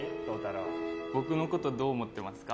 僕のこと、どう思ってますか？